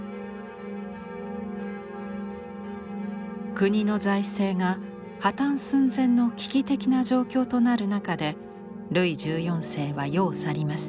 国の財政が破綻寸前の危機的な状況となる中でルイ１４世は世を去ります。